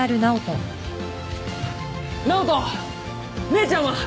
姉ちゃんは？